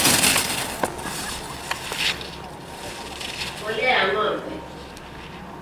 mbolea ya ngombe